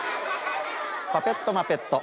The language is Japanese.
パペットマペット。